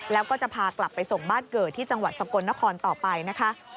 แล้วก็จะพากลับไปส่งบ้านเกิดที่จังหวัดสกลนครต่อไปนะคะ